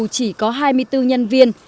chỉ có hai mươi bốn nhân viên